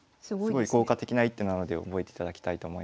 すごい効果的な一手なので覚えていただきたいと思います。